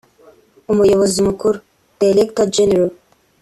Umuyobozi Mukuru (Director General)